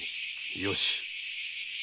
よし。